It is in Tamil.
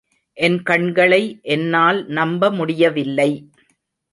என் கண்களை என்னால் நம்ப முடியவில்லை.